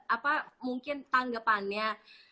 apa mungkin tanggepannya